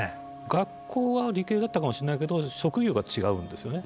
学校は理系だったかもしれないけど職業が違うんですよね。